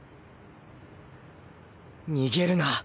逃げるな！